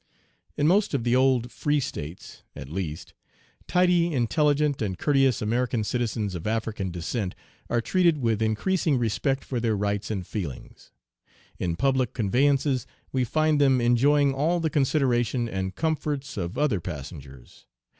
In most of the old free States, at least, tidy, intelligent, and courteous American citizens of African descent are treated with increasing respect for their rights and feelings. In public conveyances we find them enjoying all the consideration and comforts of other passengers.